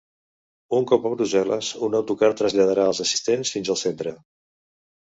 Un cop a Brussel·les, un autocar traslladarà els assistents fins al centre.